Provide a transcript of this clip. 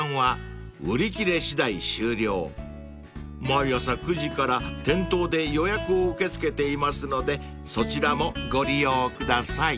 ［毎朝９時から店頭で予約を受け付けていますのでそちらもご利用ください］